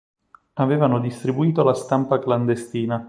Avevano distribuito la stampa clandestina.